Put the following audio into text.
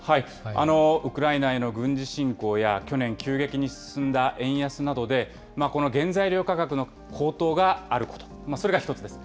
ウクライナへの軍事侵攻や、去年、急激に進んだ円安などで、この原材料価格の高騰があること、それが１つです。